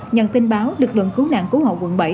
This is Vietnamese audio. nhận tin báo lực lượng cứu nạn cứu hộ quận bảy